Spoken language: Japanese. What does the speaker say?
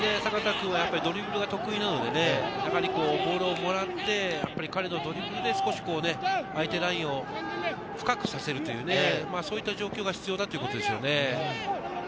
ドリブルが得意なので、ボールをもらって、彼のドリブルで相手ラインを深くさせるという、そういった状況が必要だということでしょうね。